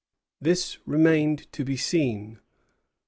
This remained to be seen.